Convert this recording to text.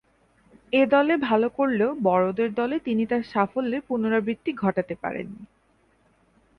এ দলে ভালো করলেও বড়দের দলে তিনি তার সাফল্যের পুণরাবৃত্তি ঘটাতে পারেননি।